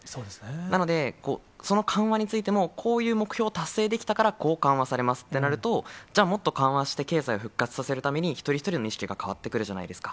なので、その緩和についても、こういう目標を達成できたからこう緩和されますってなると、じゃあ、もっと経済を復活させるために、一人一人の意識が変わってくるじゃないですか。